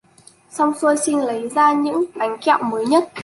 Xong xuôi Trinh lấy ra những bánh kẹo mới nhất